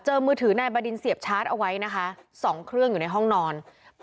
มือถือนายบดินเสียบชาร์จเอาไว้นะคะ๒เครื่องอยู่ในห้องนอน